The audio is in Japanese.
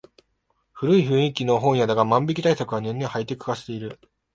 古い雰囲気の本屋だが万引き対策は年々ハイテク化している